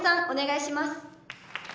お願いします。